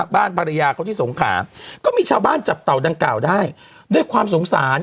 บ้านภรรยาเขาที่สงขาก็มีชาวบ้านจับเต่าดังกล่าวได้ด้วยความสงสาร